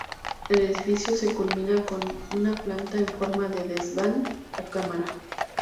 El edificio se culmina con una planta en forma de desván o cámara.